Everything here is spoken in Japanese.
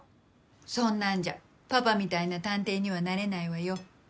そんなんじゃパパみたいな探偵にはなれないわよ。